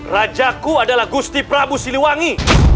rajaku adalah gusti prabu siliwangi